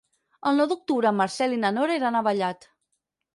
El nou d'octubre en Marcel i na Nora iran a Vallat.